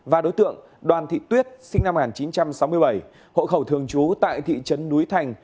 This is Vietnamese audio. và đối tượng đoàn thị tuyết sinh năm một nghìn chín trăm sáu mươi bảy hộ khẩu thường trú tại thị trấn núi thành